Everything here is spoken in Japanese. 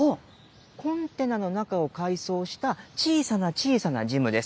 コンテナの中を改装した小さな小さなジムです。